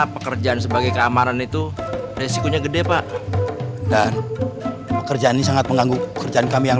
pekerjaan sebagai keamanan itu resikonya gede pak dan pekerjaan ini sangat mengganggu pekerjaan kami yang